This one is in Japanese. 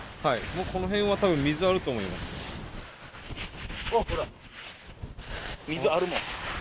この辺はたぶん水あると思います。